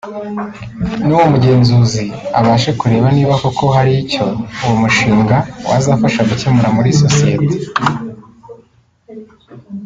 nuwo mugenzuzi abashe kureba niba koko hari icyo uwo mushinga wazafasha gukemura muri sosiyete